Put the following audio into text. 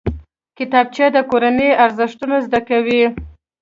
کتابچه د کورنۍ ارزښتونه زده کوي